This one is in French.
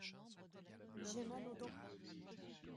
J'ai mal aux dents.